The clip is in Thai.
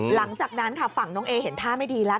หลังจากนั้นค่ะฝั่งน้องเอเห็นท่าไม่ดีแล้ว